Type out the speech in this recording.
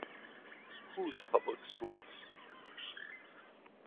Whose Public Schools?